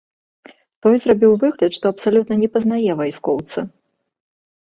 Той зрабіў выгляд, што абсалютна не пазнае вайскоўца.